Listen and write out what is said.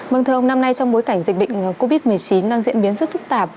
vâng thưa ông năm nay trong bối cảnh dịch bệnh covid một mươi chín đang diễn biến rất phức tạp